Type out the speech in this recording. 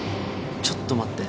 ちょっと待って。